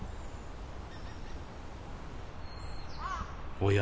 おや？